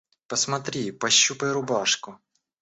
Посмотри, пощупай рубашку.